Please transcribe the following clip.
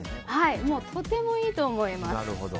とてもいいと思います。